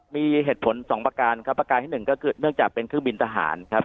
มีเหตุผลสองประการครับประการที่หนึ่งก็คือเนื่องจากเป็นเครื่องบินทหารครับ